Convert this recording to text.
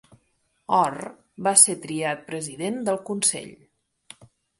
Orr va ser triat President del Consell.